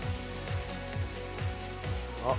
あっ！